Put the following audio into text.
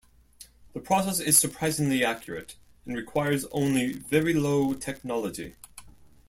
The process is surprisingly accurate and requires only very low technology.